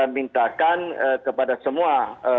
mintakan kepada semua